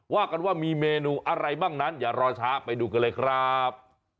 ว่ากันว่ามีเมนูอะไรบ้างนั้นอย่ารอช้าไปดูกันเลยครับ